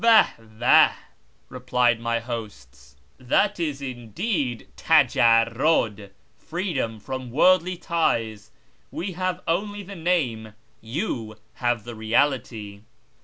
" Wah ! wall !" replied my hosts, "that is indeed tajarrud " (freedom from worldly ties) :" we have only the name ; you have the reality."